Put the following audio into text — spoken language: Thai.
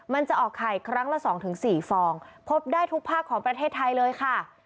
มันจะออกไข่ครั้งละ๒๔ฟองพบได้ทุกภาคของประเทศไทยเลยค่ะ